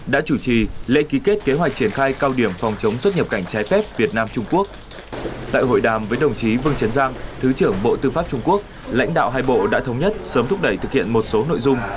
đã hội nhập với đồng chí vương trấn giang thứ trưởng bộ tư pháp trung quốc lãnh đạo hai bộ đã thống nhất sớm thúc đẩy thực hiện một số nội dung